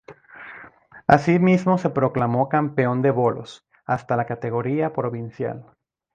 Asimismo se proclamó campeón de bolos hasta la categoría provincial.